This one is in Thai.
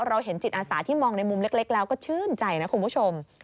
เราเห็นจิตอาสาที่มองในมุมเล็กแล้วก็ชื่นใจนะคุณผู้ชม